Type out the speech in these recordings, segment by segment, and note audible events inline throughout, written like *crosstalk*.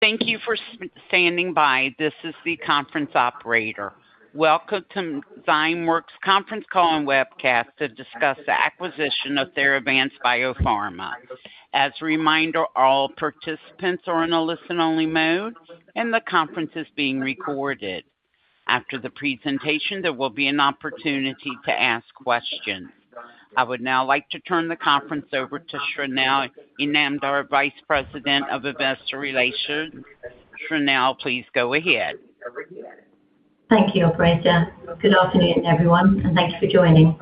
Thank you for standing by. This is the conference operator. Welcome to Zymeworks conference call and webcast to discuss the acquisition of Theravance Biopharma. As a reminder, all participants are in a listen-only mode and the conference is being recorded. After the presentation, there will be an opportunity to ask questions. I would now like to turn the conference over to Shrinal Inamdar, Vice President of Investor Relations. Shrinal, please go ahead. Thank you, operator. Good afternoon, everyone, and thanks for joining.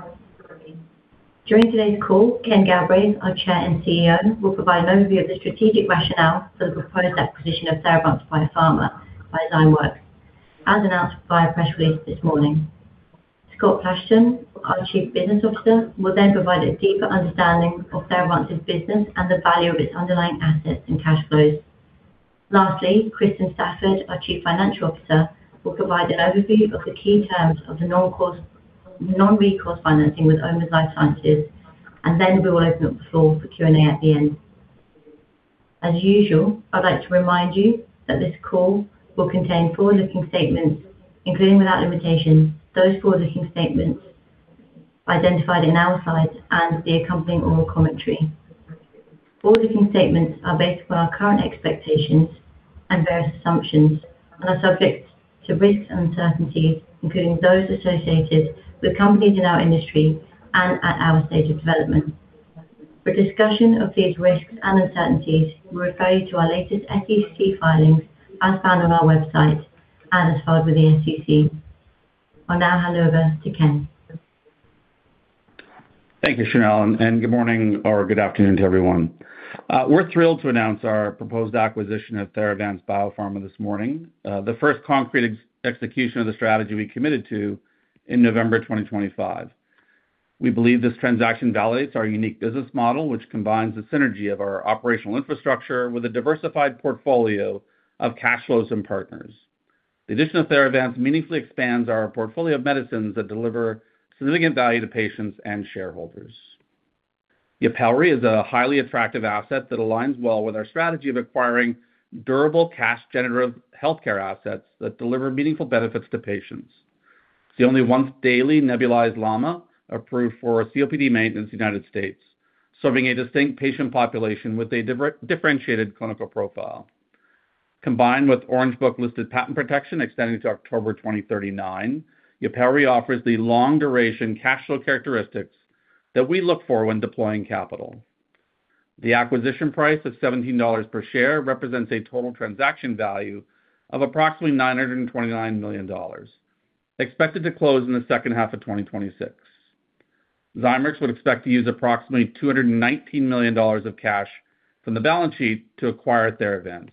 During today's call, Ken Galbraith, our Chair and CEO, will provide an overview of the strategic rationale for the proposed acquisition of Theravance Biopharma by Zymeworks, as announced via press release this morning. Scott Platshon, our Chief Business Officer, will then provide a deeper understanding of Theravance's business and the value of its underlying assets and cash flows. Lastly, Kristin Stafford, our Chief Financial Officer, will provide an overview of the key terms of the non-recourse financing with OMERS Life Sciences. Then we will open up the floor for Q&A at the end. As usual, I'd like to remind you that this call will contain forward-looking statements, including, without limitation, those forward-looking statements identified in our slides and the accompanying oral commentary. Forward-looking statements are based upon our current expectations and various assumptions and are subject to risks and uncertainties, including those associated with companies in our industry and at our stage of development. For a discussion of these risks and uncertainties, we refer you to our latest SEC filings as found on our website and as filed with the SEC. I'll now hand over to Ken. Thank you, Shrinal. Good morning or good afternoon to everyone. We're thrilled to announce our proposed acquisition of Theravance Biopharma this morning, the first concrete execution of the strategy we committed to in November 2025. We believe this transaction validates our unique business model, which combines the synergy of our operational infrastructure with a diversified portfolio of cash flows and partners. The addition of Theravance meaningfully expands our portfolio of medicines that deliver significant value to patients and shareholders. YUPELRI is a highly attractive asset that aligns well with our strategy of acquiring durable cash generative healthcare assets that deliver meaningful benefits to patients. It's the only once-daily nebulized LAMA approved for COPD maintenance in the United States, serving a distinct patient population with a differentiated clinical profile. Combined with Orange Book-listed patent protection extending to October 2039, YUPELRI offers the long-duration cash flow characteristics that we look for when deploying capital. The acquisition price of $17 per share represents a total transaction value of approximately $929 million, expected to close in the second half of 2026. Zymeworks would expect to use approximately $219 million of cash from the balance sheet to acquire Theravance,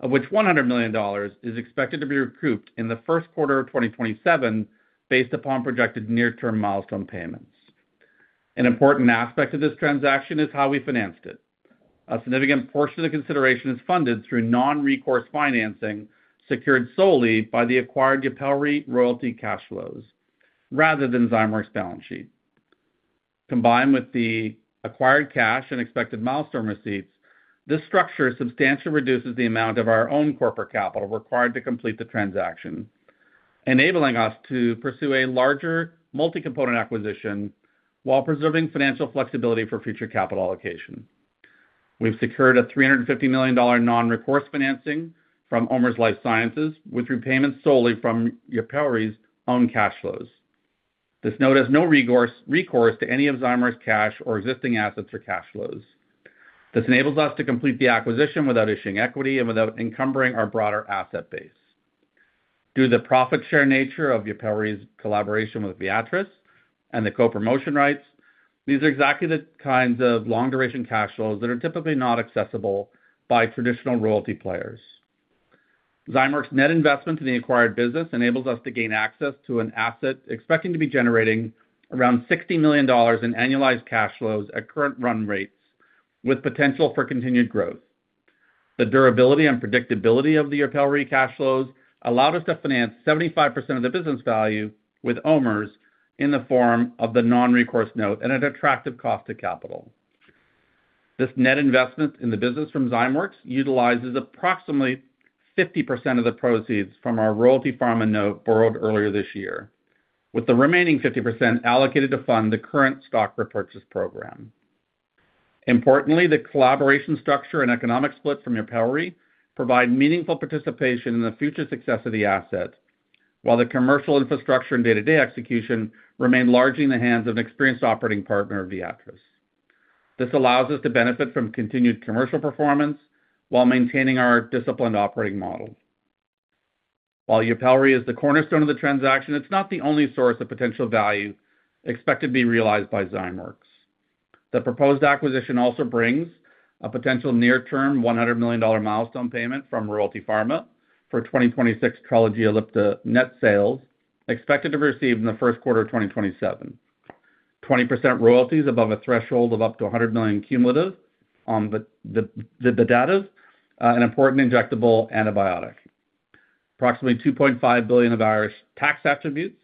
of which $100 million is expected to be recouped in the first quarter of 2027, based upon projected near-term milestone payments. An important aspect of this transaction is how we financed it. A significant portion of the consideration is funded through non-recourse financing secured solely by the acquired YUPELRI royalty cash flows rather than Zymeworks' balance sheet. Combined with the acquired cash and expected milestone receipts, this structure substantially reduces the amount of our own corporate capital required to complete the transaction, enabling us to pursue a larger multi-component acquisition while preserving financial flexibility for future capital allocation. We've secured a $350 million non-recourse financing from OMERS Life Sciences with repayments solely from YUPELRI's own cash flows. This note has no recourse to any of Zymeworks' cash or existing assets or cash flows. This enables us to complete the acquisition without issuing equity and without encumbering our broader asset base. Due to the profit-share nature of YUPELRI's collaboration with Viatris and the co-promotion rights, these are exactly the kinds of long-duration cash flows that are typically not accessible by traditional royalty players. Zymeworks' net investment in the acquired business enables us to gain access to an asset expecting to be generating around $60 million in annualized cash flows at current run rates, with potential for continued growth. The durability and predictability of the YUPELRI cash flows allowed us to finance 75% of the business value with OMERS in the form of the non-recourse note at an attractive cost of capital. This net investment in the business from Zymeworks utilizes approximately 50% of the proceeds from our Royalty Pharma note borrowed earlier this year, with the remaining 50% allocated to fund the current stock repurchase program. Importantly, the collaboration structure and economic split from YUPELRI provide meaningful participation in the future success of the asset, while the commercial infrastructure and day-to-day execution remain largely in the hands of experienced operating partner Viatris. This allows us to benefit from continued commercial performance while maintaining our disciplined operating model. While YUPELRI is the cornerstone of the transaction, it's not the only source of potential value expected to be realized by Zymeworks. The proposed acquisition also brings a potential near-term $100 million milestone payment from Royalty Pharma for 2026 TRELEGY ELLIPTA net sales expected to receive in the first quarter of 2027. 20% royalties above a threshold of up to $100 million cumulative on the VIBATIV, an important injectable antibiotic. Approximately $2.5 billion of Irish tax attributes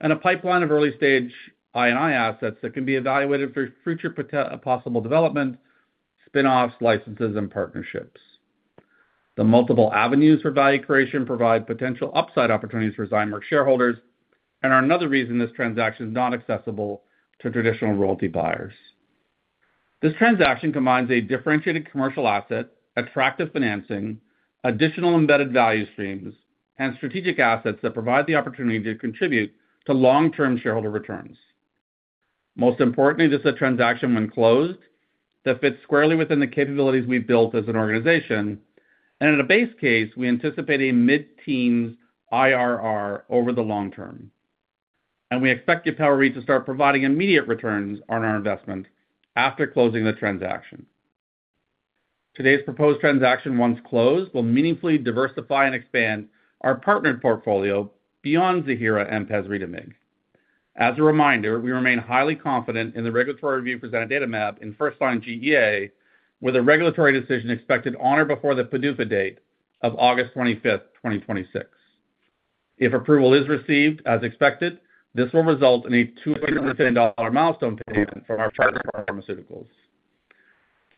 and a pipeline of early-stage I&I assets that can be evaluated for future possible development, spin-offs, licenses, and partnerships. The multiple avenues for value creation provide potential upside opportunities for Zymeworks shareholders and are another reason this transaction is not accessible to traditional royalty buyers. This transaction combines a differentiated commercial asset, attractive financing, additional embedded value streams, and strategic assets that provide the opportunity to contribute to long-term shareholder returns. Most importantly, this is a transaction when closed, that fits squarely within the capabilities we've built as an organization. In a base case, we anticipate a mid-teen IRR over the long term, and we expect YUPELRI to start providing immediate returns on our investment after closing the transaction. Today's proposed transaction, once closed, will meaningfully diversify and expand our partnered portfolio beyond Ziihera and pasritamig. As a reminder, we remain highly confident in the regulatory review for zanidatamab in first-line GEA with a regulatory decision expected on or before the PDUFA date of August 25, 2026. If approval is received as expected, this will result in a $250 million milestone payment from *inaudible* Pharmaceuticals.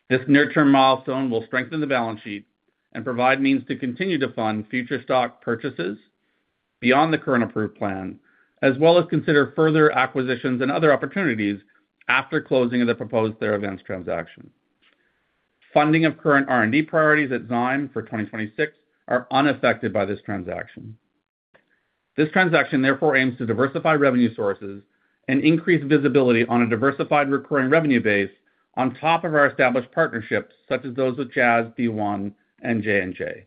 This near-term milestone will strengthen the balance sheet and provide means to continue to fund future stock purchases beyond the current approved plan, as well as consider further acquisitions and other opportunities after closing of the proposed Theravance transaction. Funding of current R&D priorities at Zyme for 2026 are unaffected by this transaction. This transaction, therefore, aims to diversify revenue sources and increase visibility on a diversified recurring revenue base on top of our established partnerships, such as those with Jazz, BeiGene, and J&J.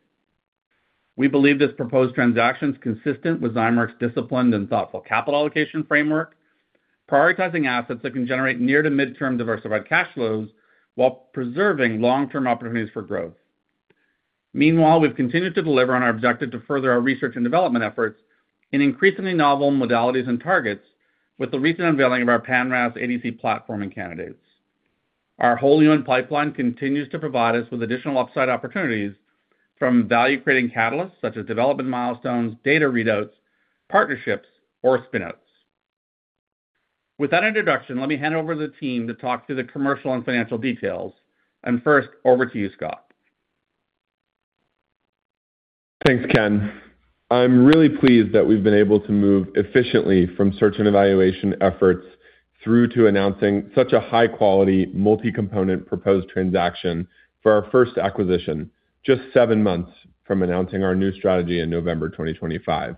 We believe this proposed transaction is consistent with Zymeworks' disciplined and thoughtful capital allocation framework, prioritizing assets that can generate near to mid-term diversified cash flows while preserving long-term opportunities for growth. Meanwhile, we've continued to deliver on our objective to further our research and development efforts in increasingly novel modalities and targets with the recent unveiling of our pan-RAS ADC platform and candidates. Our whole human pipeline continues to provide us with additional upside opportunities from value-creating catalysts such as development milestones, data readouts, partnerships, or spin-outs. With that introduction, let me hand over to the team to talk through the commercial and financial details, and first, over to you, Scott. Thanks, Ken. I'm really pleased that we've been able to move efficiently from search and evaluation efforts through to announcing such a high-quality, multi-component proposed transaction for our first acquisition, just seven months from announcing our new strategy in November 2025.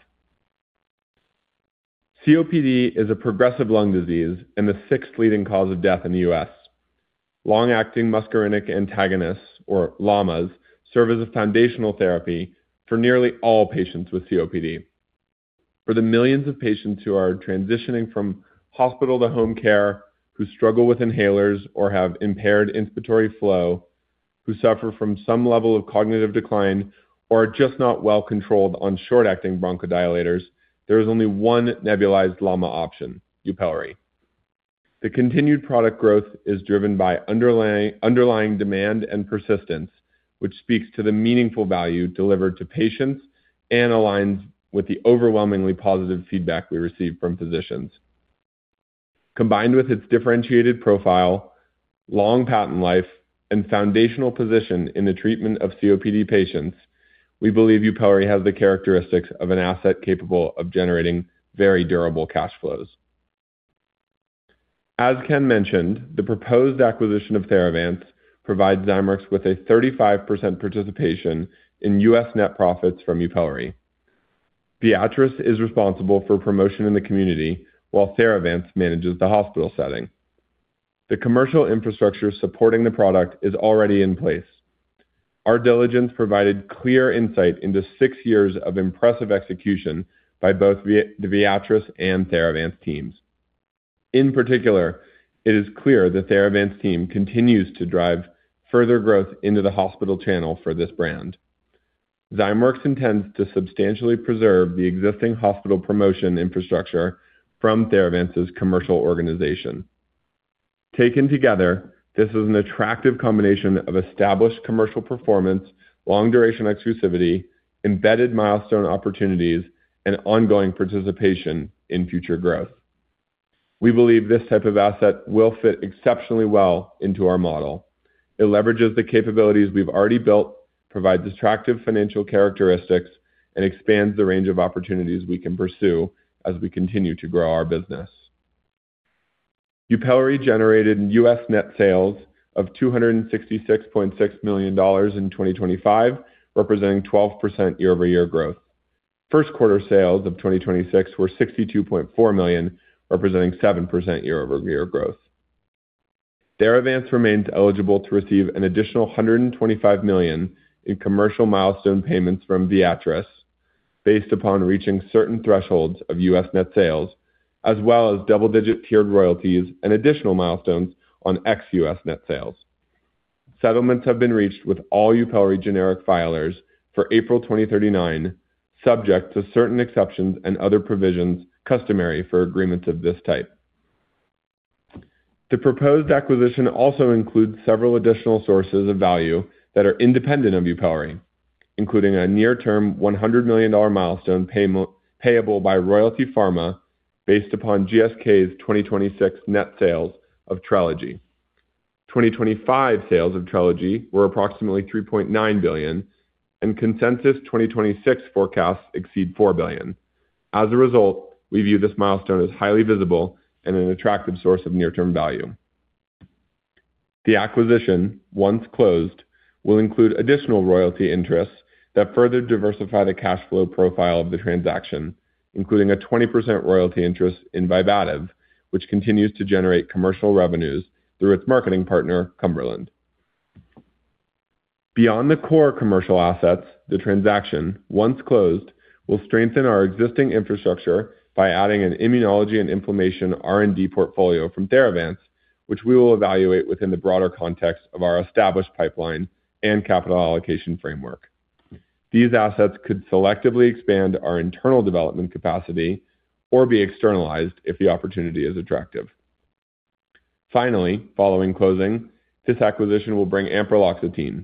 COPD is a progressive lung disease and the sixth leading cause of death in the U.S. Long-acting muscarinic antagonists, or LAMAs, serve as a foundational therapy for nearly all patients with COPD. For the millions of patients who are transitioning from hospital to home care, who struggle with inhalers or have impaired inspiratory flow, who suffer from some level of cognitive decline or are just not well controlled on short-acting bronchodilators, there is only one nebulized LAMA option, YUPELRI. The continued product growth is driven by underlying demand and persistence, which speaks to the meaningful value delivered to patients and aligns with the overwhelmingly positive feedback we receive from physicians. Combined with its differentiated profile, long patent life, and foundational position in the treatment of COPD patients, we believe YUPELRI has the characteristics of an asset capable of generating very durable cash flows. As Ken mentioned, the proposed acquisition of Theravance provides Zymeworks with a 35% participation in U.S. net profits from YUPELRI. Viatris is responsible for promotion in the community while Theravance manages the hospital setting. The commercial infrastructure supporting the product is already in place. Our diligence provided clear insight into six years of impressive execution by both the Viatris and Theravance teams. In particular, it is clear the Theravance team continues to drive further growth into the hospital channel for this brand. Zymeworks intends to substantially preserve the existing hospital promotion infrastructure from Theravance's commercial organization. Taken together, this is an attractive combination of established commercial performance, long-duration exclusivity, embedded milestone opportunities, and ongoing participation in future growth. We believe this type of asset will fit exceptionally well into our model. It leverages the capabilities we've already built, provides attractive financial characteristics, and expands the range of opportunities we can pursue as we continue to grow our business. YUPELRI generated U.S. net sales of $266.6 million in 2025, representing 12% year-over-year growth. First quarter sales of 2026 were $62.4 million, representing 7% year-over-year growth. Theravance remains eligible to receive an additional $125 million in commercial milestone payments from Viatris based upon reaching certain thresholds of U.S. net sales, as well as double-digit tiered royalties and additional milestones on ex-U.S. net sales. Settlements have been reached with all YUPELRI generic filers for April 2039, subject to certain exceptions and other provisions customary for agreements of this type. The proposed acquisition also includes several additional sources of value that are independent of YUPELRI, including a near-term $100 million milestone payable by Royalty Pharma based upon GSK's 2026 net sales of TRELEGY. 2025 sales of TRELEGY were approximately $3.9 billion, and consensus 2026 forecasts exceed $4 billion. As a result, we view this milestone as highly visible and an attractive source of near-term value. The acquisition, once closed, will include additional royalty interests that further diversify the cash flow profile of the transaction, including a 20% royalty interest in VIBATIV, which continues to generate commercial revenues through its marketing partner, Cumberland. Beyond the core commercial assets, the transaction, once closed, will strengthen our existing infrastructure by adding an immunology and inflammation R&D portfolio from Theravance, which we will evaluate within the broader context of our established pipeline and capital allocation framework. These assets could selectively expand our internal development capacity or be externalized if the opportunity is attractive. Finally, following closing, this acquisition will bring ampreloxetine.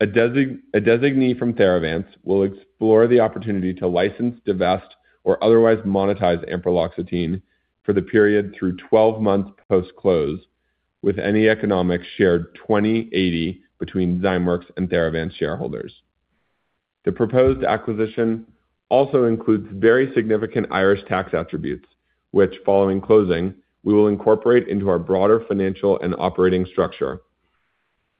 A designee from Theravance will explore the opportunity to license, divest, or otherwise monetize ampreloxetine for the period through 12 months post-close, with any economics shared 20/80 between Zymeworks and Theravance shareholders. The proposed acquisition also includes very significant Irish tax attributes, which following closing, we will incorporate into our broader financial and operating structure.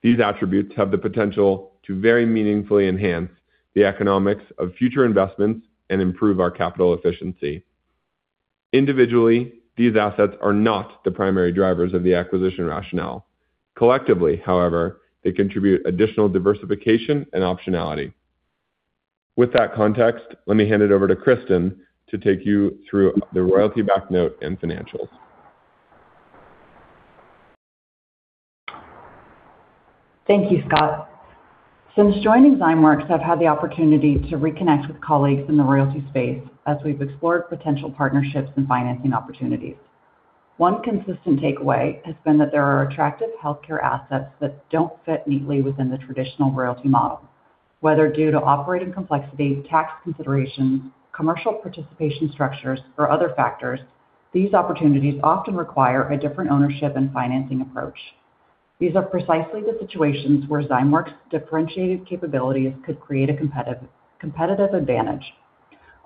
These attributes have the potential to very meaningfully enhance the economics of future investments and improve our capital efficiency. Individually, these assets are not the primary drivers of the acquisition rationale. Collectively, however, they contribute additional diversification and optionality. With that context, let me hand it over to Kristin to take you through the royalty back note and financials. Thank you, Scott. Since joining Zymeworks, I've had the opportunity to reconnect with colleagues in the royalty space as we've explored potential partnerships and financing opportunities. One consistent takeaway has been that there are attractive healthcare assets that don't fit neatly within the traditional royalty model. Whether due to operating complexity, tax considerations, commercial participation structures, or other factors, these opportunities often require a different ownership and financing approach. These are precisely the situations where Zymeworks' differentiated capabilities could create a competitive advantage.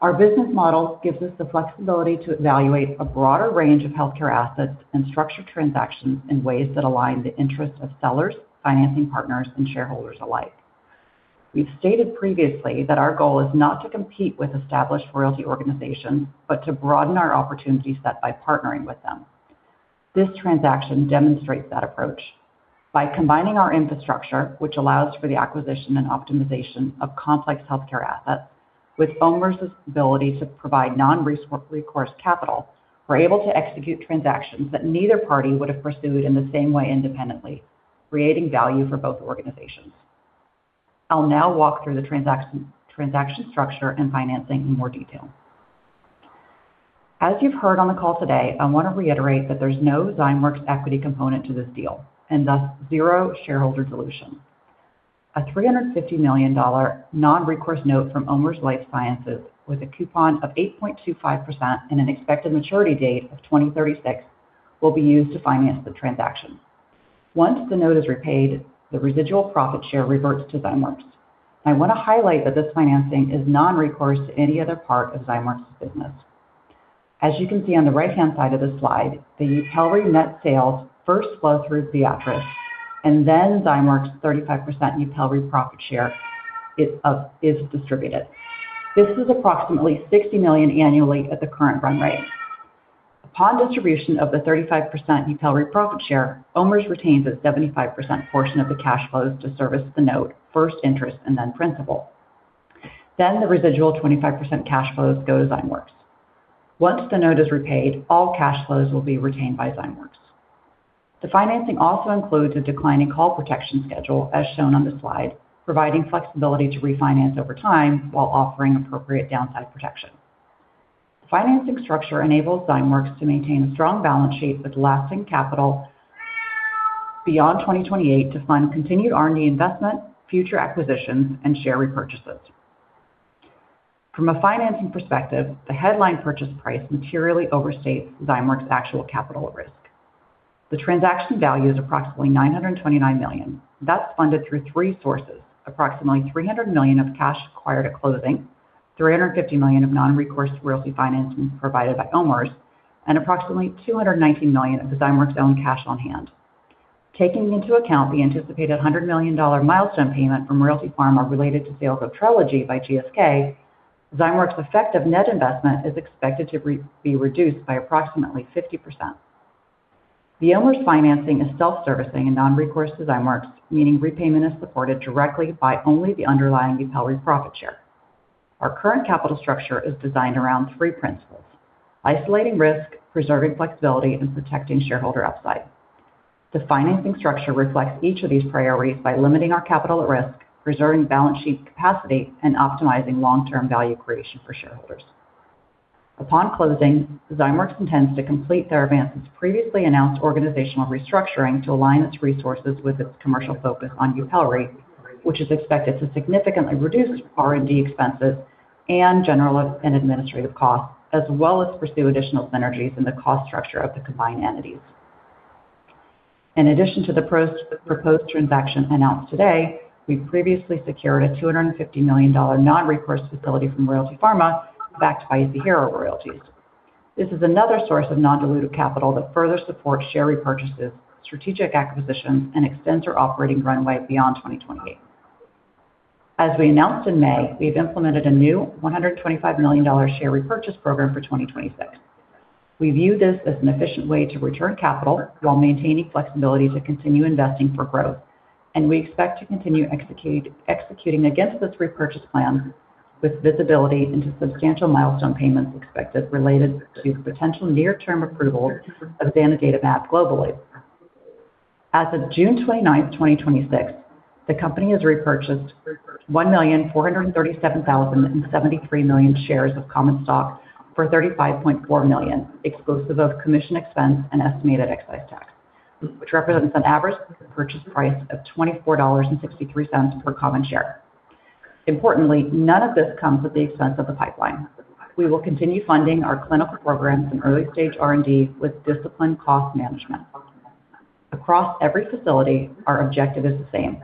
Our business model gives us the flexibility to evaluate a broader range of healthcare assets and structure transactions in ways that align the interests of sellers, financing partners, and shareholders alike. We've stated previously that our goal is not to compete with established royalty organizations, but to broaden our opportunity set by partnering with them. This transaction demonstrates that approach. By combining our infrastructure, which allows for the acquisition and optimization of complex healthcare assets, with OMERS' ability to provide non-recourse capital, we're able to execute transactions that neither party would have pursued in the same way independently, creating value for both organizations. I'll now walk through the transaction structure and financing in more detail. As you've heard on the call today, I want to reiterate that there's no Zymeworks equity component to this deal and thus zero shareholder dilution. A $350 million non-recourse note from OMERS Life Sciences with a coupon of 8.25% and an expected maturity date of 2036 will be used to finance the transaction. Once the note is repaid, the residual profit share reverts to Zymeworks. I want to highlight that this financing is non-recourse to any other part of Zymeworks' business. As you can see on the right-hand side of the slide, the YUPELRI net sales first flow through Viatris and then Zymeworks' 35% YUPELRI profit share is distributed. This is approximately $60 million annually at the current run rate. Upon distribution of the 35% YUPELRI profit share, OMERS' retains a 75% portion of the cash flows to service the note, first interest and then principal. The residual 25% cash flows go to Zymeworks. Once the note is repaid, all cash flows will be retained by Zymeworks. The financing also includes a declining call protection schedule as shown on the slide, providing flexibility to refinance over time while offering appropriate downside protection. The financing structure enables Zymeworks to maintain a strong balance sheet with lasting capital beyond 2028 to fund continued R&D investment, future acquisitions, and share repurchases. From a financing perspective, the headline purchase price materially overstates Zymeworks' actual capital at risk. The transaction value is approximately $929 million. That is funded through three sources, approximately $300 million of cash acquired at closing, $350 million of non-recourse royalty financing provided by OMERS, and approximately $219 million of Zymeworks' own cash on hand. Taking into account the anticipated $100 million milestone payment from Royalty Pharma related to sales of TRELEGY by GSK, Zymeworks' effective net investment is expected to be reduced by approximately 50%. The OMERS financing is self-servicing and non-recourse to Zymeworks, meaning repayment is supported directly by only the underlying YUPELRI profit share. Our current capital structure is designed around three principles, isolating risk, preserving flexibility, and protecting shareholder upside. The financing structure reflects each of these priorities by limiting our capital at risk, preserving balance sheet capacity, and optimizing long-term value creation for shareholders. Upon closing, Zymeworks intends to complete Theravance's previously announced organizational restructuring to align its resources with its commercial focus on YUPELRI, which is expected to significantly reduce R&D expenses and general and administrative costs, as well as pursue additional synergies in the cost structure of the combined entities. In addition to the proposed transaction announced today, we previously secured a $250 million non-recourse facility from Royalty Pharma, backed by Ziihera royalties. This is another source of non-dilutive capital that further supports share repurchases, strategic acquisitions, and extends our operating runway beyond 2028. As we announced in May, we have implemented a new $125 million share repurchase program for 2026. We view this as an efficient way to return capital while maintaining flexibility to continue investing for growth, and we expect to continue executing against this repurchase plan with visibility into substantial milestone payments expected related to potential near-term approval of zanidatamab globally. As of June 29th, 2026, the company has repurchased 1,437,073 million shares of common stock for $35.4 million, exclusive of commission expense and estimated excise tax, which represents an average purchase price of $24.63 per common share. Importantly, none of this comes at the expense of the pipeline. We will continue funding our clinical programs and early-stage R&D with disciplined cost management. Across every facility, our objective is the same: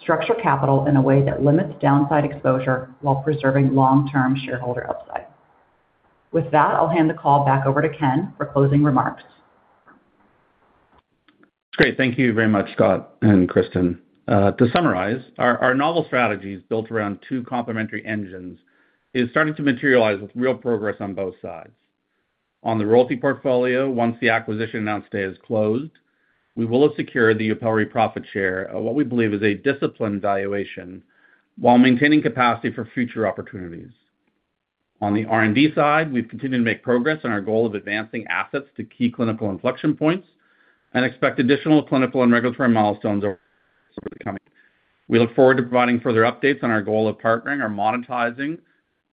structure capital in a way that limits downside exposure while preserving long-term shareholder upside. With that, I will hand the call back over to Ken for closing remarks. Great. Thank you very much, Scott and Kristin. To summarize, our novel strategy is built around two complementary engines is starting to materialize with real progress on both sides. On the royalty portfolio, once the acquisition announced today is closed, we will have secured the YUPELRI profit share at what we believe is a disciplined valuation while maintaining capacity for future opportunities. On the R&D side, we have continued to make progress on our goal of advancing assets to key clinical inflection points and expect additional clinical and regulatory milestones over the coming. We look forward to providing further updates on our goal of partnering or monetizing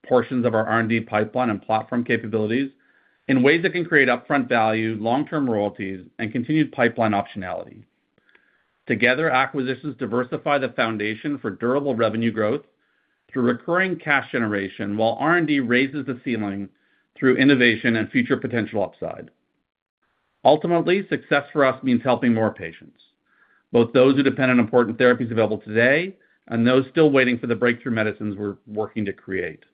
portions of our R&D pipeline and platform capabilities in ways that can create upfront value, long-term royalties, and continued pipeline optionality. Together, acquisitions diversify the foundation for durable revenue growth through recurring cash generation while R&D raises the ceiling through innovation and future potential upside. Ultimately, success for us means helping more patients, both those who depend on important therapies available today and those still waiting for the breakthrough medicines we're working to create.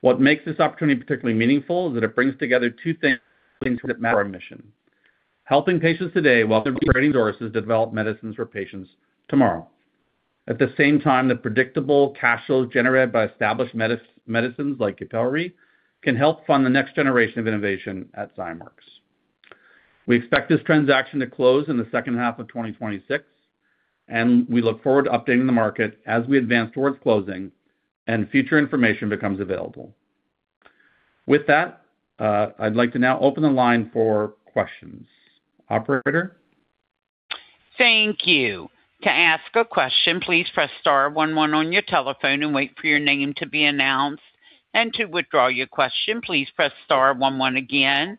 What makes this opportunity particularly meaningful is that it brings together two things that matter, our mission. Helping patients today while creating resources to develop medicines for patients tomorrow. At the same time, the predictable cash flows generated by established medicines like YUPELRI can help fund the next generation of innovation at Zymeworks. We expect this transaction to close in the second half of 2026, and we look forward to updating the market as we advance towards closing and future information becomes available. With that, I'd like to now open the line for questions. Operator? Thank you. To ask a question, please press star one one on your telephone and wait for your name to be announced. To withdraw your question, please press star one one again.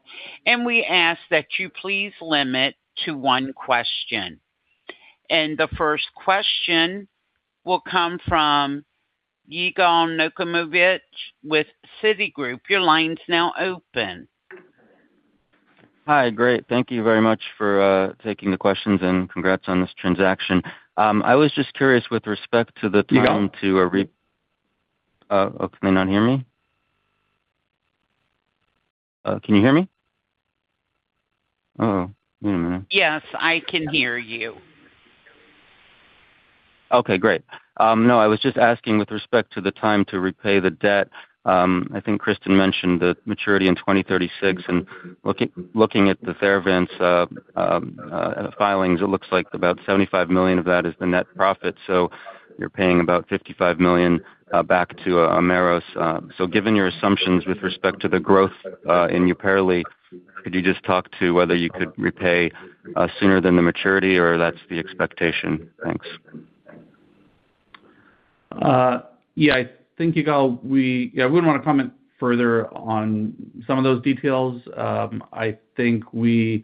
We ask that you please limit to one question. The first question will come from Yigal Nochomovitz with Citigroup. Your line's now open. Hi. Great. Thank you very much for taking the questions. Congrats on this transaction. I was just curious with respect to the time to. Oh, can they not hear me? Can you hear me? Oh, wait a minute. Yes, I can hear you. Okay, great. No, I was just asking with respect to the time to repay the debt. I think Kristin mentioned the maturity in 2036, and looking at the Theravance filings, it looks like about $75 million of that is the net profit, you're paying about $55 million back to OMERS. Given your assumptions with respect to the growth in YUPELRI, could you just talk to whether you could repay sooner than the maturity, or that's the expectation? Thanks. Yeah. I think, Yigal, I wouldn't want to comment further on some of those details. I think we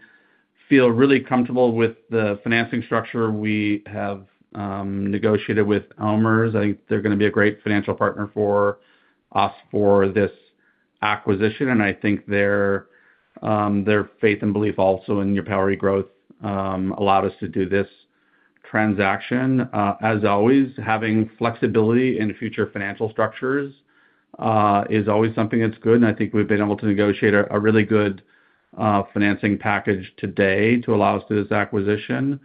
feel really comfortable with the financing structure we have negotiated with OMERS. I think they're going to be a great financial partner for us for this acquisition, their faith and belief also in YUPELRI growth allowed us to do this transaction. As always, having flexibility in future financial structures is always something that's good, we've been able to negotiate a really good financing package today to allow us to do this acquisition,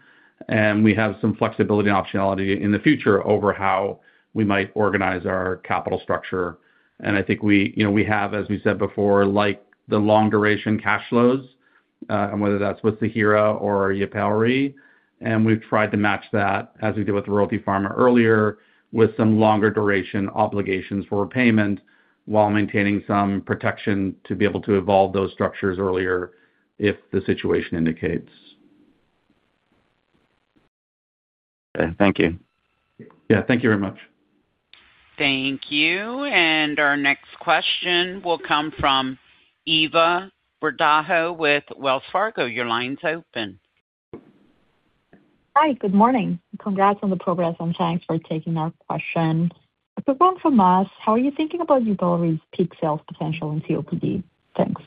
we have some flexibility and optionality in the future over how we might organize our capital structure. I think we have, as we said before, liked the long-duration cash flows, whether that's with Ziihera or YUPELRI, we've tried to match that, as we did with Royalty Pharma earlier, with some longer duration obligations for repayment while maintaining some protection to be able to evolve those structures earlier if the situation indicates. Okay. Thank you. Yeah. Thank you very much. Thank you. Our next question will come from Eva Verdejo with Wells Fargo. Your line's open. Hi. Good morning. Congrats on the progress and thanks for taking our question. The first one from us, how are you thinking about YUPELRI's peak sales potential in COPD? Thanks.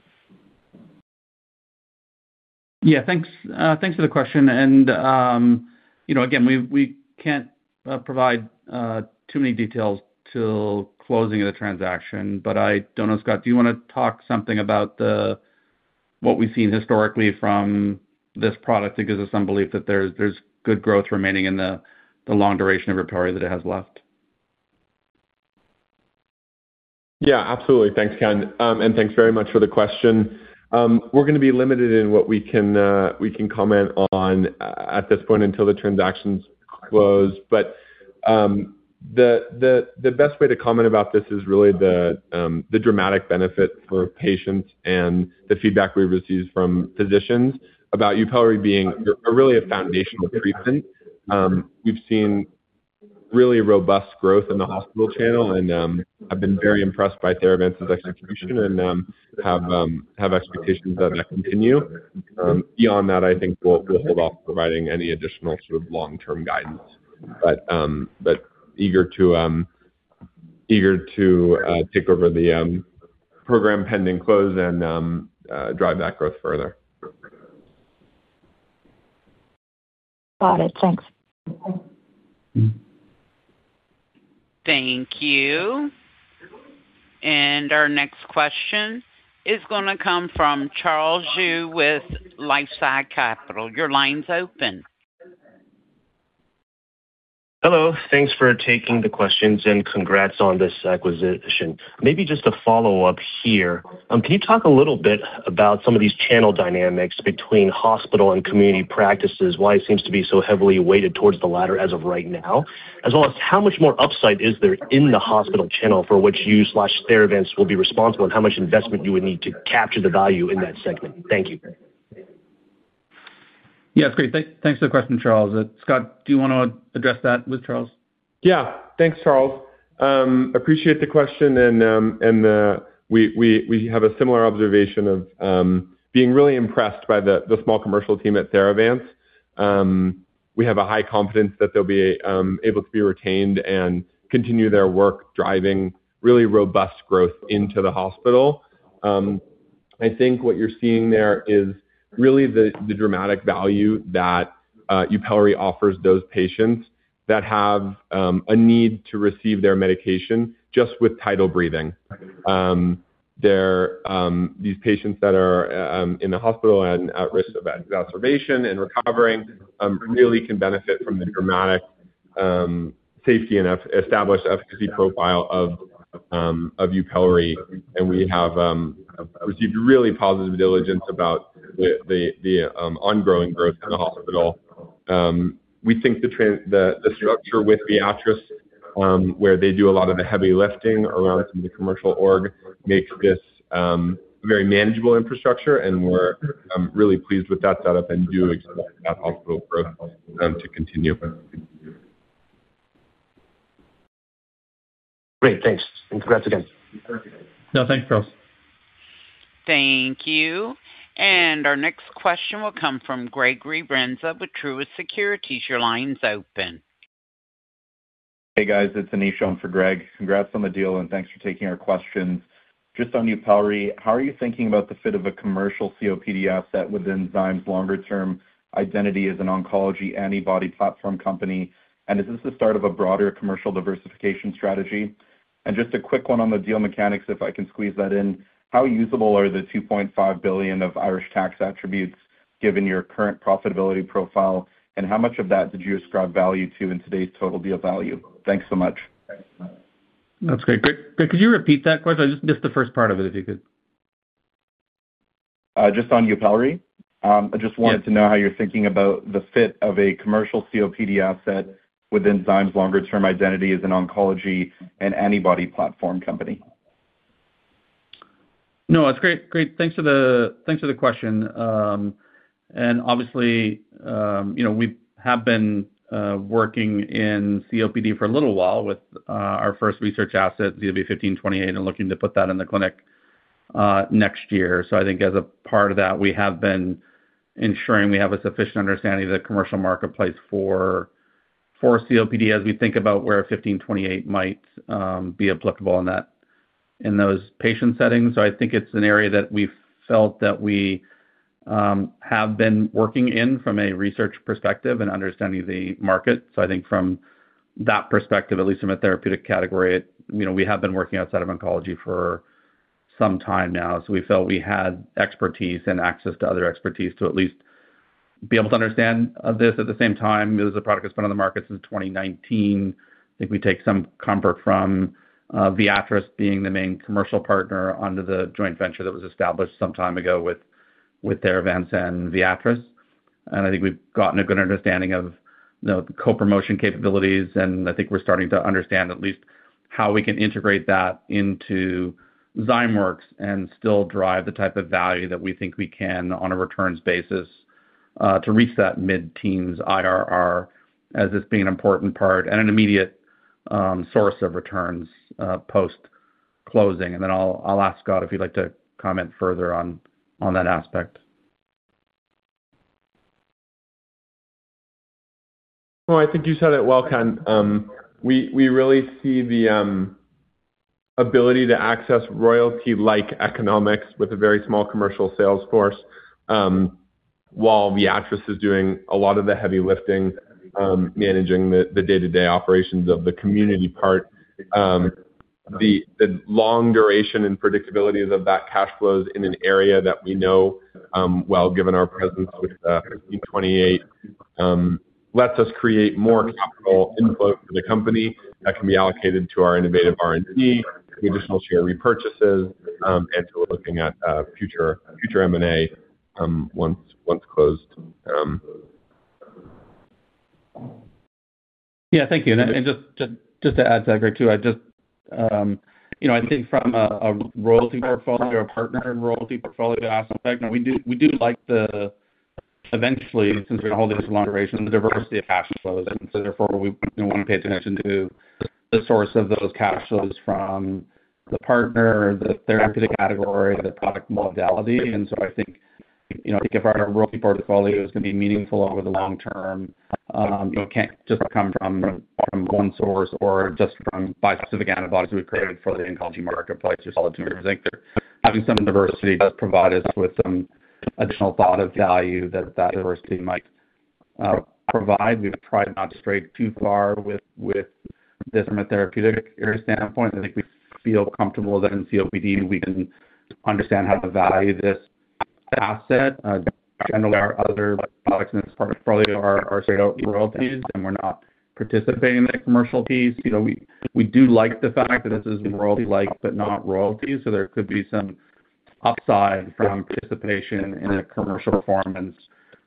Yeah. Thanks for the question. Again, we can't provide too many details till closing of the transaction. I don't know, Scott, do you want to talk something about what we've seen historically from this product that gives us some belief that there's good growth remaining in the long duration of YUPELRI that it has left? Yeah, absolutely. Thanks, Ken. Thanks very much for the question. We're going to be limited in what we can comment on at this point until the transaction's closed. The best way to comment about this is really the dramatic benefit for patients and the feedback we've received from physicians about YUPELRI being really a foundational treatment. We've seen really robust growth in the hospital channel, and I've been very impressed by Theravance's execution and have expectations that will continue. Beyond that, I think we'll hold off providing any additional sort of long-term guidance. Eager to take over the program pending close and drive that growth further. Got it. Thanks. Thank you. Our next question is going to come from Charles Zhu with LifeSci Capital. Your line's open. Hello. Thanks for taking the questions and congrats on this acquisition. Maybe just a follow-up here. Can you talk a little bit about some of these channel dynamics between hospital and community practices, why it seems to be so heavily weighted towards the latter as of right now? As well as how much more upside is there in the hospital channel for which you/Theravance will be responsible, and how much investment you would need to capture the value in that segment? Thank you. Yeah, great. Thanks for the question, Charles. Scott, do you want to address that with Charles? Yeah. Thanks, Charles. Appreciate the question. We have a similar observation of being really impressed by the small commercial team at Theravance. We have a high confidence that they'll be able to be retained and continue their work driving really robust growth into the hospital. I think what you're seeing there is really the dramatic value that YUPELRI offers those patients that have a need to receive their medication just with tidal breathing. These patients that are in the hospital and at risk of exacerbation and recovering really can benefit from the dramatic safety and established efficacy profile of YUPELRI, and we have received really positive diligence about the ongoing growth in the hospital. We think the structure with Viatris where they do a lot of the heavy lifting around some of the commercial org makes this very manageable infrastructure. We're really pleased with that setup and do expect that hospital growth to continue. Great. Thanks. Congrats again. Yeah. Thanks, Charles. Thank you. Our next question will come from Gregory Renza with Truist Securities. Your line's open. Hey, guys. It's Anish on for Greg. Congrats on the deal, and thanks for taking our questions. Just on YUPELRI, how are you thinking about the fit of a commercial COPD asset within Zymeworks's longer-term identity as an oncology antibody platform company? Is this the start of a broader commercial diversification strategy? Just a quick one on the deal mechanics, if I can squeeze that in. How usable are the $2.5 billion of Irish tax attributes given your current profitability profile, and how much of that did you ascribe value to in today's total deal value? Thanks so much. That's great. Anish, could you repeat that question? I just missed the first part of it, if you could. Just on YUPELRI. Yeah. I just wanted to know how you're thinking about the fit of a commercial COPD asset within Zymeworks's longer-term identity as an oncology and antibody platform company. That's great. Thanks for the question. Obviously, we have been working in COPD for a little while with our first research asset, ZW1528, and looking to put that in the clinic next year. I think as a part of that, we have been ensuring we have a sufficient understanding of the commercial marketplace for COPD as we think about where 1528 might be applicable in those patient settings. I think it's an area that we've felt that we have been working in from a research perspective and understanding the market. I think from that perspective, at least from a therapeutic category, we have been working outside of oncology for some time now. We felt we had expertise and access to other expertise to at least be able to understand this. At the same time, it was a product that's been on the market since 2019. I think we take some comfort from Viatris being the main commercial partner under the joint venture that was established some time ago with Theravance and Viatris. I think we've gotten a good understanding of co-promotion capabilities, and I think we're starting to understand at least how we can integrate that into Zymeworks and still drive the type of value that we think we can on a returns basis to reach that mid-teens IRR as this being an important part and an immediate source of returns post-closing. I'll ask Scott if he'd like to comment further on that aspect. No, I think you said it well, Ken. We really see the ability to access royalty-like economics with a very small commercial sales force while Viatris is doing a lot of the heavy lifting managing the day-to-day operations of the community part. The long duration and predictability of that cash flows in an area that we know well, given our presence with, *inaudible* lets us create more capital inflows for the company that can be allocated to our innovative R&D, to additional share repurchases, and to looking at future M&A once closed. Yeah, thank you. Just to add to that, Greg, too, I think from a royalty portfolio partner, royalty portfolio aspect, we do like the eventually, since we're holding this longer duration, the diversity of cash flows. Therefore we want to pay attention to the source of those cash flows from the partner, the therapeutic category, the product modality. I think if our royalty portfolio is going to be meaningful over the long term, it can't just come from one source or just from bispecific antibodies we've created for the oncology marketplace or solid tumors. I think having some diversity does provide us with some additional thought of value that that diversity might provide. We've tried not to stray too far with, from a therapeutic area standpoint. I think we feel comfortable that in COPD we can understand how to value this asset. Generally, our other products in this portfolio are straight out royalties, and we're not participating in the commercial piece. We do like the fact that this is royalty-like but not royalty, so there could be some upside from participation in a commercial performance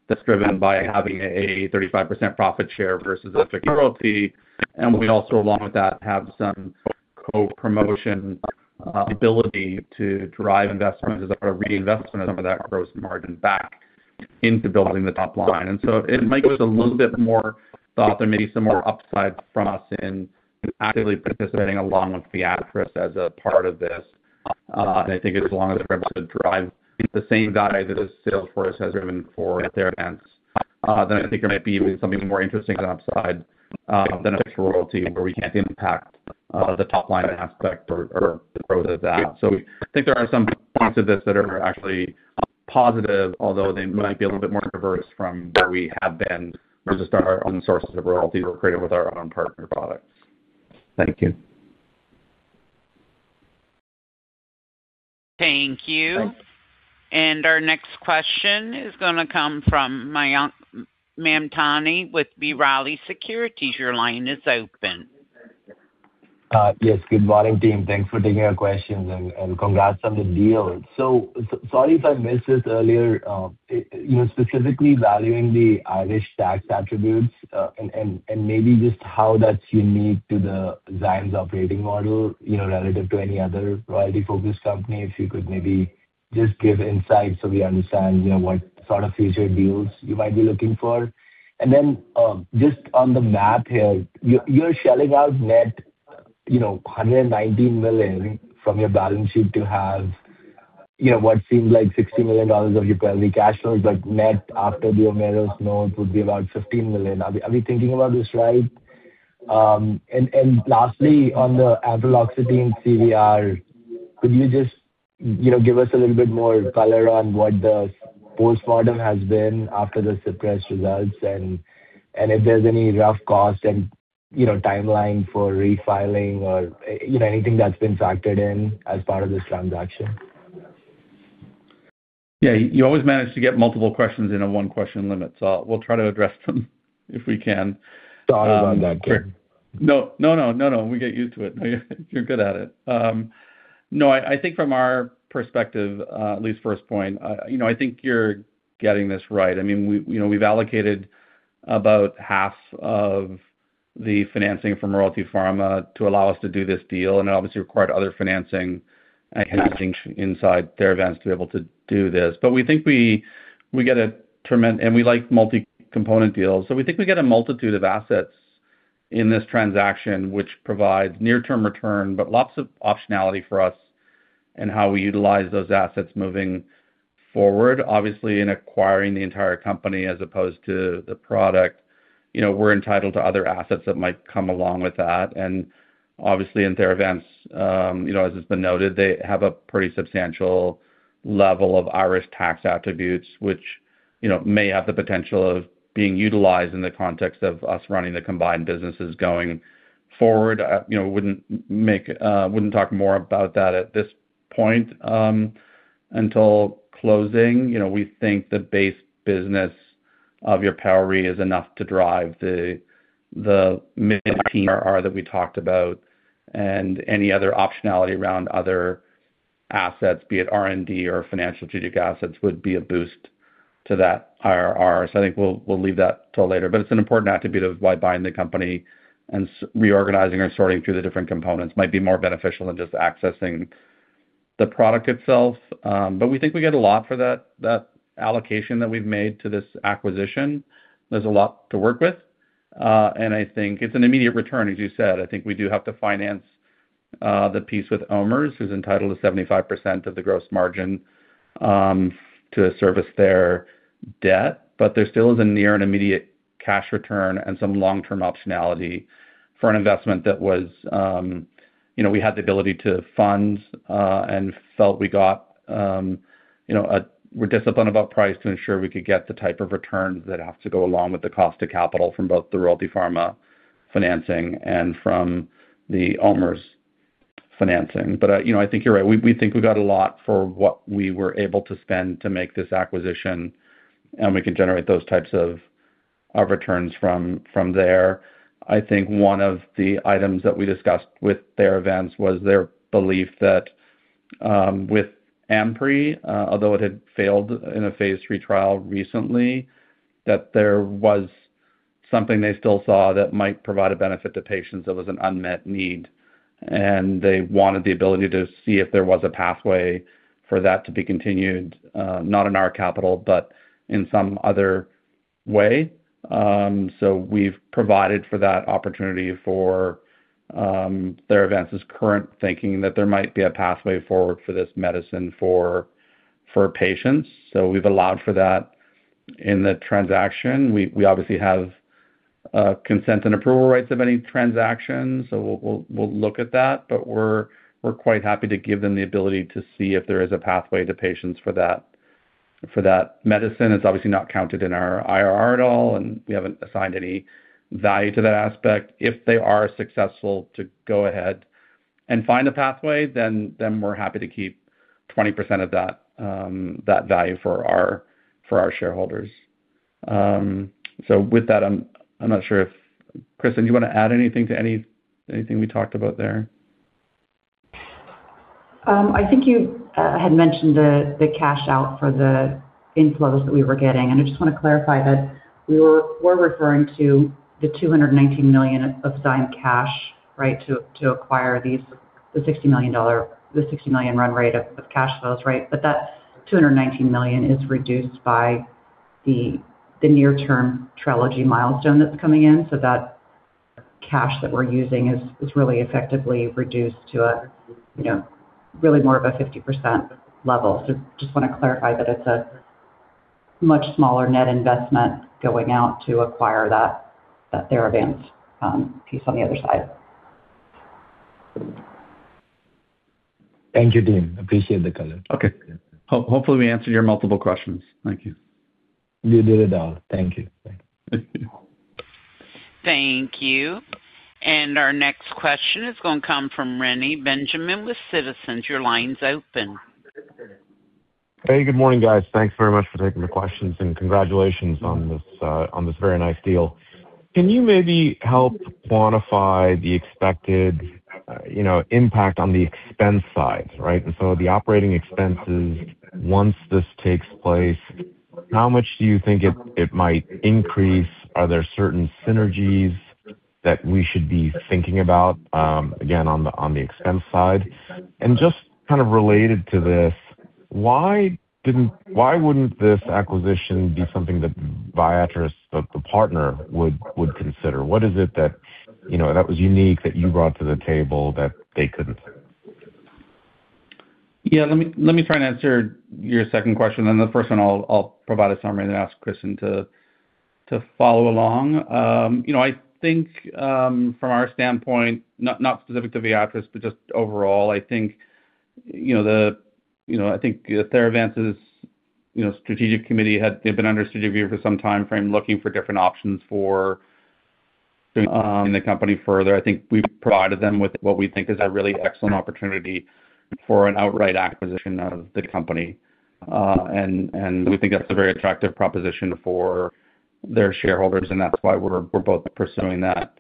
that's driven by having a 35% profit share versus a royalty. We also, along with that, have some co-promotion ability to drive investments as a part of reinvestment of some of that gross margin back into building the top line. It might give us a little bit more thought there may be some more upside from us in actively participating along with Viatris as a part of this. I think as long as they're able to drive the same value that this sales force has driven for Theravance, then I think there might be something more interesting upside than a royalty where we can't impact the top-line aspect or the growth of that. I think there are some parts of this that are actually positive, although they might be a little bit more diverse from where we have been versus our own sources of royalties we've created with our own partner products. Thank you. Thank you. Thanks. Our next question is going to come from Mayank Mamtani with B. Riley Securities. Your line is open. Yes. Good morning, team. Thanks for taking our questions, and congrats on the deal. Sorry if I missed this earlier. You know, specifically valuing the Irish tax attributes, and maybe just how that's unique to the Zymeworks' operating model, you know, relative to any other royalty-focused company. If you could maybe just give insight so we understand, you know, what sort of future deals you might be looking for. Just on the math here. You're shelling out net $119 million from your balance sheet to have, you know, what seems like $60 million of your proudly cash flows, like net after the OMERS note would be about $15 million. Are we thinking about this right? Lastly, on the ampreloxetine CVR, could you just give us a little bit more color on what the postmortem has been after the suppressed results and if there's any rough cost and, you know, timeline for refiling or anything that's been factored in as part of this transaction? Yeah, you always manage to get multiple questions in a one-question limit, so we'll try to address them if we can. Sorry about that, Ken. We get used to it. You're good at it. I think from our perspective, at least first point, I think you're getting this right. I mean, we've allocated about half of the financing from Royalty Pharma to allow us to do this deal, and it obviously required other financing and hedging inside Theravance to be able to do this. We think we get a multitude of assets in this transaction, which provides near-term return, but lots of optionality for us in how we utilize those assets moving forward. In acquiring the entire company as opposed to the product, we're entitled to other assets that might come along with that. Obviously in Theravance, as it's been noted, they have a pretty substantial level of Irish tax attributes, which may have the potential of being utilized in the context of us running the combined businesses going forward. I wouldn't talk more about that at this point until closing. We think the base business of YUPELRI is enough to drive the mid-teen IRR that we talked about and any other optionality around other assets, be it R&D or financial strategic assets would be a boost to that IRR. I think we'll leave that till later. It's an important attribute of why buying the company and reorganizing or sorting through the different components might be more beneficial than just accessing the product itself. We think we get a lot for that allocation that we've made to this acquisition. There's a lot to work with. I think it's an immediate return, as you said. I think we do have to finance the piece with OMERS, who's entitled to 75% of the gross margin to service their debt. There still is a near and immediate cash return and some long-term optionality for an investment that we had the ability to fund and felt we're disciplined about price to ensure we could get the type of returns that have to go along with the cost of capital from both the Royalty Pharma financing and from the OMERS financing. I think you're right. We think we got a lot for what we were able to spend to make this acquisition, and we can generate those types of returns from there. I think one of the items that we discussed with Theravance was their belief that with ampre, although it had failed in a phase III trial recently, that there was something they still saw that might provide a benefit to patients that was an unmet need. They wanted the ability to see if there was a pathway for that to be continued, not in our capital, but in some other way. We've provided for that opportunity for Theravance's current thinking that there might be a pathway forward for this medicine for patients. We've allowed for that in the transaction. We obviously have consent and approval rights of any transaction. We'll look at that, but we're quite happy to give them the ability to see if there is a pathway to patients for that medicine. It's obviously not counted in our IRR at all, and we haven't assigned any value to that aspect. If they are successful to go ahead and find a pathway, then we're happy to keep 20% of that value for our shareholders. With that, I'm not sure if, Kristin, do you want to add anything to anything we talked about there? I think you had mentioned the cash-out for the inflows that we were getting, and I just want to clarify that we're referring to the $219 million of signed cash to acquire the $60 million run rate of cash flows. That $219 million is reduced by the near-term TRELEGY milestone that's coming in. That cash that we're using is really effectively reduced to really more of a 50% level. Just want to clarify that it's a much smaller net investment going out to acquire that Theravance piece on the other side. Thank you, Ken. Appreciate the color. Hopefully, we answered your multiple questions. Thank you. You did it all. Thank you. Thank you. Thank you. Our next question is going to come from Reni Benjamin with Citizens. Your line's open. Hey, good morning, guys. Thanks very much for taking the questions and congratulations on this very nice deal. Can you maybe help quantify the expected impact on the expense side, right? So the operating expenses, once this takes place, how much do you think it might increase? Are there certain synergies that we should be thinking about, again, on the expense side? Just related to this, why wouldn't this acquisition be something that Viatris, the partner, would consider? What is it that was unique that you brought to the table that they couldn't? Yeah, let me try and answer your second question, then the first one I'll provide a summary, then ask Kristin to follow along. I think from our standpoint, not specific to Viatris, but just overall, I think Theravance's strategic committee, they've been under strategic review for some time frame looking for different options for doing the company further. I think we've provided them with what we think is a really excellent opportunity for an outright acquisition of the company. We think that's a very attractive proposition for their shareholders, and that's why we're both pursuing that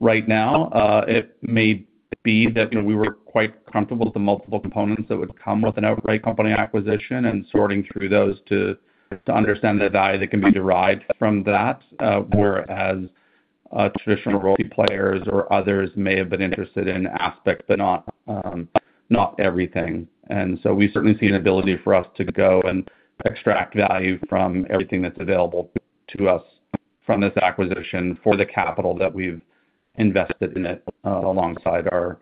right now. It may be that we were quite comfortable with the multiple components that would come with an outright company acquisition and sorting through those to understand the value that can be derived from that whereas traditional royalty players or others may have been interested in aspects, but not everything. We certainly see an ability for us to go and extract value from everything that's available to us from this acquisition for the capital that we've invested in it alongside our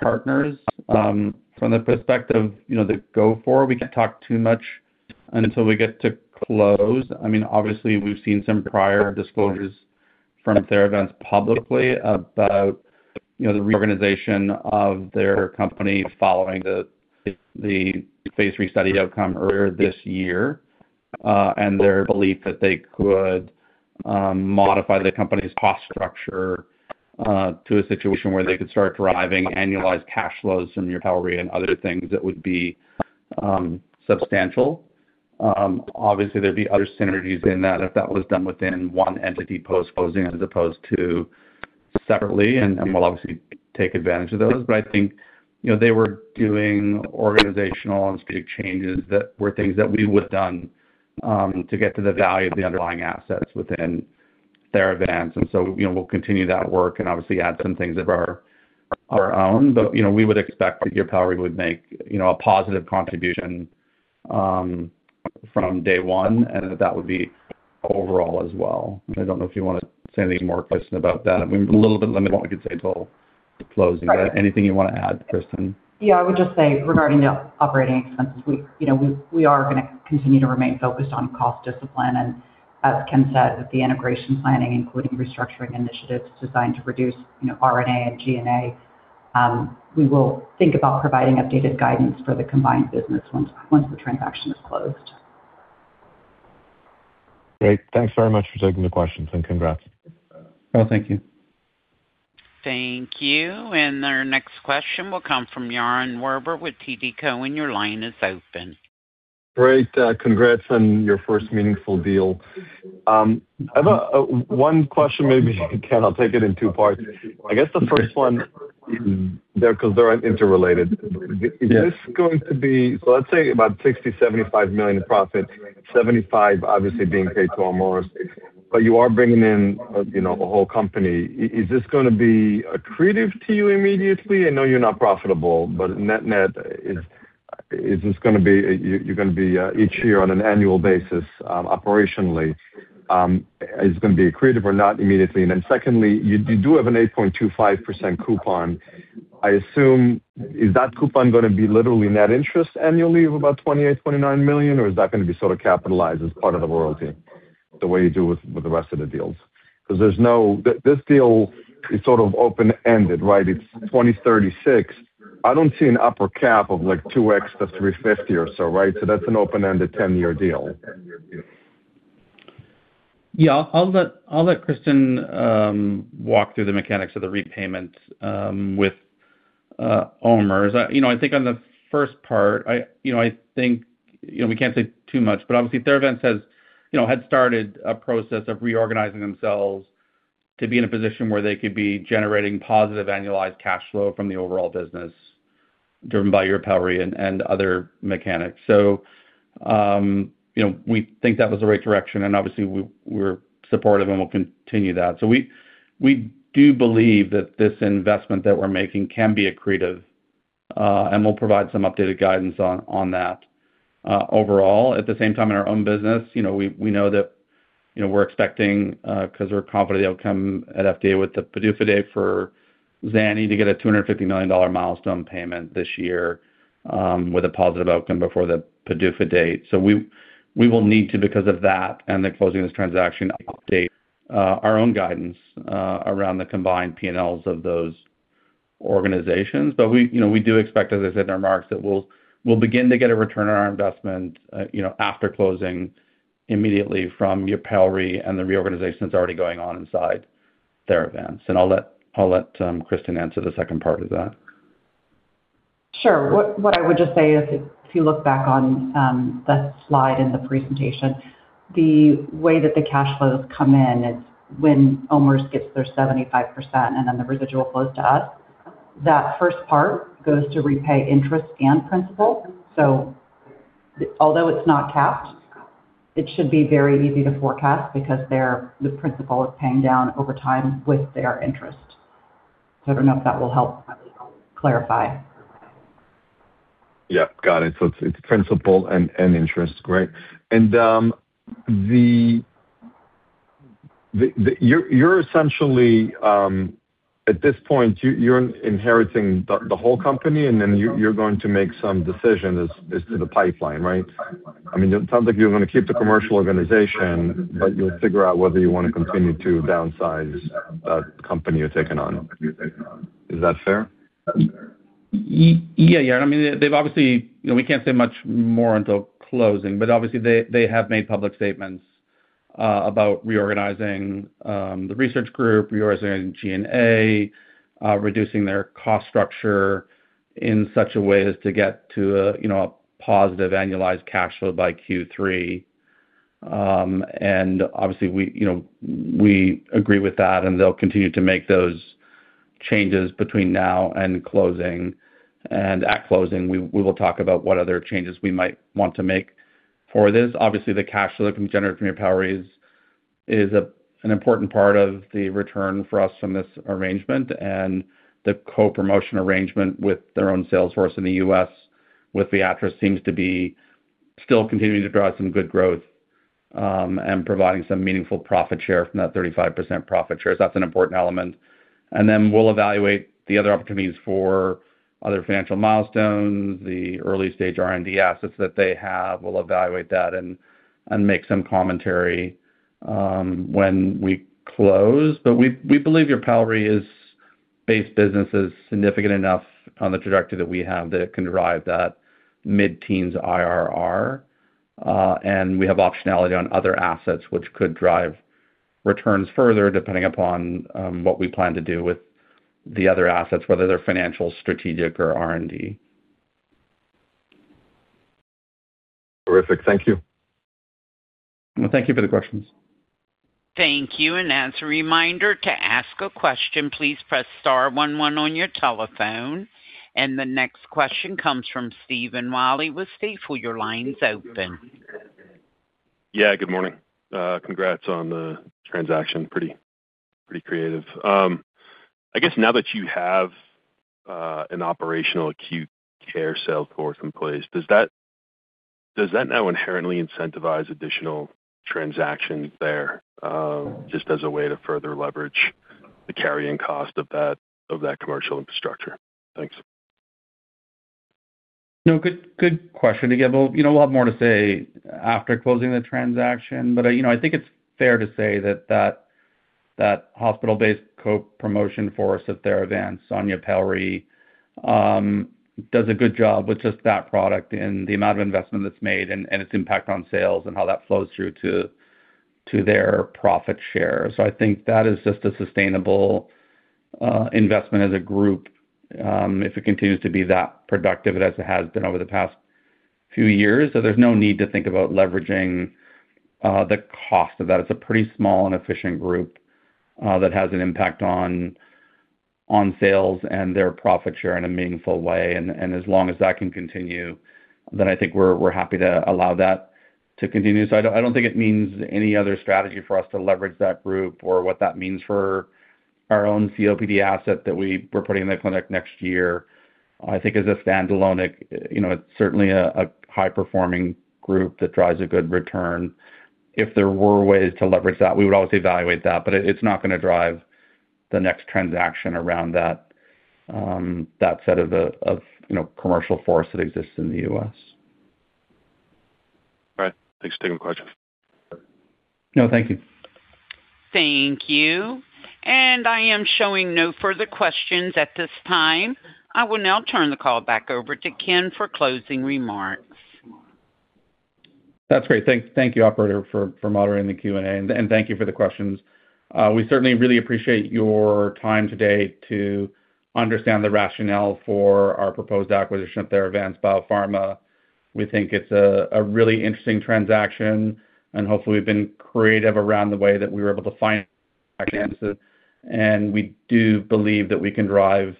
partners. From the perspective, the go-forward, we can't talk too much until we get to close. Obviously, we've seen some prior disclosures from Theravance publicly about the reorganization of their company following the phase III study outcome earlier this year, and their belief that they could modify the company's cost structure to a situation where they could start driving annualized cash flows from YUPELRI and other things that would be substantial. Obviously, there'd be other synergies in that if that was done within one entity post-closing as opposed to separately, and we'll obviously take advantage of those. I think they were doing organizational and strategic changes that were things that we would've done to get to the value of the underlying assets within Theravance. We'll continue that work and obviously add some things of our own. We would expect that YUPELRI would make a positive contribution from day one, and that would be overall as well. I don't know if you want to say anything more, Kristin, about that. We're a little bit limited in what we could say till the closing. Anything you want to add, Kristin? Yeah. I would just say regarding the operating expenses, we are going to continue to remain focused on cost discipline. As Ken said, with the integration planning, including restructuring initiatives designed to reduce R&D and G&A, we will think about providing updated guidance for the combined business once the transaction is closed. Great. Thanks very much for taking the questions, and congrats. Oh, thank you. Thank you. Our next question will come from Yaron Werber with TD Cowen. Your line is open. Great. Congrats on your first meaningful deal. I have one question maybe, Ken, I'll take it in two parts. I guess the first one is there because they're interrelated. Yes. Is this going to be, let's say about $60 million, $75 million in profit, $75 million obviously being paid to OMERS. You are bringing in a whole company. Is this going to be accretive to you immediately? I know you're not profitable, but net is just going to be You're going to be, each year on an annual basis, operationally, is going to be accretive or not immediately. Secondly, you do have an 8.25% coupon. I assume, is that coupon going to be literally net interest annually of about $28 million, $29 million? Or is that going to be sort of capitalized as part of the royalty the way you do with the rest of the deals? This deal is sort of open-ended, right? It's 2036. I don't see an upper cap of 2x plus $350 million or so, right? That's an open-ended 10-year deal. Yeah. I'll let Kristin walk through the mechanics of the repayment with OMERS. I think on the first part, I think we can't say too much, but obviously Theravance had started a process of reorganizing themselves to be in a position where they could be generating positive annualized cash flow from the overall business driven by YUPELRI and other mechanics. We think that was the right direction, and obviously we're supportive and we'll continue that. We do believe that this investment that we're making can be accretive, and we'll provide some updated guidance on that overall. At the same time, in our own business, we know that we're expecting, because we're confident they'll come at FDA with the PDUFA date for Zani to get a $250 million milestone payment this year with a positive outcome before the PDUFA date. We will need to, because of that and the closing of this transaction, update our own guidance around the combined P&L of those organizations. We do expect, as I said in our marks, that we'll begin to get a return on our investment after closing immediately from YUPELRI and the reorganization that's already going on inside Theravance. I'll let Kristin answer the second part of that. Sure. What I would just say is if you look back on the slide in the presentation, the way that the cash flows come in, it's when OMERS gets their 75% and then the residual flows to us. That first part goes to repay interest and principal. Although it's not capped, it should be very easy to forecast because the principal is paying down over time with their interest. I don't know if that will help clarify. Yeah. Got it. It's principal and interest. Great. You're essentially, at this point, you're inheriting the whole company, then you're going to make some decision as to the pipeline, right? It sounds like you're going to keep the commercial organization, but you'll figure out whether you want to continue to downsize that company you're taking on. Is that fair? Yeah. We can't say much more until closing. Obviously they have made public statements about reorganizing the research group, reorganizing G&A, reducing their cost structure in such a way as to get to a positive annualized cash flow by Q3. Obviously we agree with that, they'll continue to make those changes between now and closing. At closing, we will talk about what other changes we might want to make for this. Obviously, the cash flow that can be generated from YUPELRI is an important part of the return for us from this arrangement. The co-promotion arrangement with their own sales force in the U.S. with Viatris seems to be still continuing to drive some good growth and providing some meaningful profit share from that 35% profit share. That's an important element. Then we'll evaluate the other opportunities for other financial milestones. The early-stage R&D assets that they have, we'll evaluate that and make some commentary when we close. We believe YUPELRI-based business is significant enough on the trajectory that we have that it can drive that mid-teens IRR. We have optionality on other assets which could drive returns further, depending upon what we plan to do with the other assets, whether they're financial, strategic, or R&D. Terrific. Thank you. Well, thank you for the questions. Thank you, as a reminder, to ask a question, please press star one one on your telephone. The next question comes from Stephen Willey with Stifel. Your line's open. Good morning. Congrats on the transaction. Pretty creative. I guess now that you have an operational acute care sales force in place, does that now inherently incentivize additional transactions there, just as a way to further leverage the carrying cost of that commercial infrastructure? Thanks. Good question. Again, we'll have more to say after closing the transaction, but I think it's fair to say that that hospital-based co-promotion force at Theravance, YUPELRI, does a good job with just that product and the amount of investment that's made and its impact on sales and how that flows through to their profit share. I think that is just a sustainable investment as a group, if it continues to be that productive as it has been over the past few years. There's no need to think about leveraging the cost of that. It's a pretty small and efficient group that has an impact on sales and their profit share in a meaningful way. As long as that can continue, then I think we're happy to allow that to continue. I don't think it means any other strategy for us to leverage that group or what that means for our own COPD asset that we're putting in the clinic next year. I think as a standalone, it's certainly a high-performing group that drives a good return. If there were ways to leverage that, we would always evaluate that, but it's not going to drive the next transaction around that set of commercial force that exists in the U.S. All right. Thanks. Take care. No, thank you. Thank you. I am showing no further questions at this time. I will now turn the call back over to Ken for closing remarks. That's great. Thank you, operator for monitoring the Q&A, and thank you for the questions. We certainly really appreciate your time today to understand the rationale for our proposed acquisition of Theravance Biopharma. We think it's a really interesting transaction and hopefully we've been creative around the way that we were able to finance it. We do believe that we can drive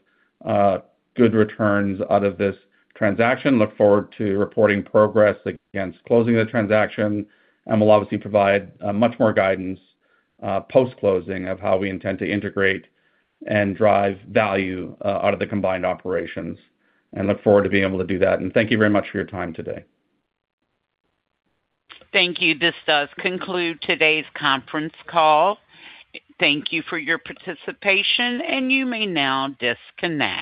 good returns out of this transaction. Look forward to reporting progress against closing the transaction. We'll obviously provide much more guidance post-closing of how we intend to integrate and drive value out of the combined operations and look forward to being able to do that. Thank you very much for your time today. Thank you. This does conclude today's conference call. Thank you for your participation, and you may now disconnect.